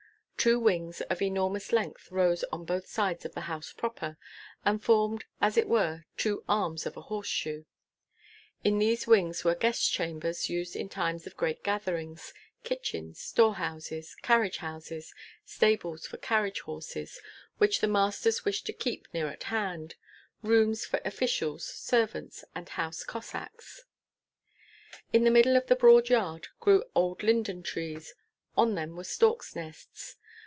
Two wings, of enormous length, rose on both sides of the house proper, and formed as it were two arms of a horseshoe. In these wings were guest chambers used in time of great gatherings, kitchens, store houses, carriage houses, stables for carriage horses which the masters wished to keep near at hand, rooms for officials, servants, and house Cossacks. In the middle of the broad yard grew old linden trees, on them were storks' nests.